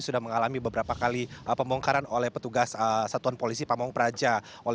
sudah mengalami beberapa kali pembongkaran oleh petugas satuan polisi pamung praja